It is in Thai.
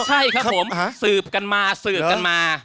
ใช่ครับผมสืบกันมาสืบกันมา